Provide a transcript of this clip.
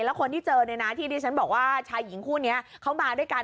แล้วคนที่เจอเนี่ยนะที่ที่ฉันบอกว่าชายหญิงคู่นี้เขามาด้วยกัน